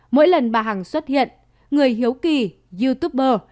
mỗi lần bà hằng xuất hiện người hiếu kỳ youtuber